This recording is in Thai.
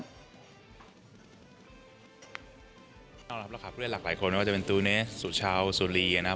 บรรยากรภาพเลยหลักหลายคนจะจะเป็นตูเนสสุชาวสุรีนะคะ